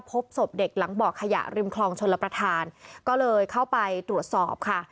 พบศพเด็กหลังบ่อขยะริมคลองชลประธานก็เลยเข้าไปตรวจสอบค่ะ